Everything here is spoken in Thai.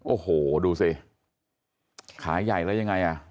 โอ้โหดูสิขาใหญ่แล้วยังไงอ่ะ